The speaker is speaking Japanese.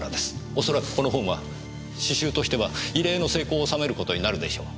おそらくこの本は詩集としては異例の成功を収めることになるでしょう。